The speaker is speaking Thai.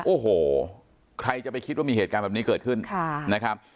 โอ้โหใครจะไปคิดว่ามีเหตุการณ์แบบนี้เกิดขึ้นนะครับ